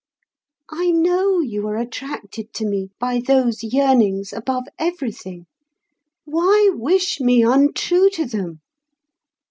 I know you are attracted to me by those yearnings above everything; why wish me untrue to them?